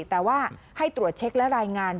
แต่ว่าให้ตรวจเช็คและรายงาน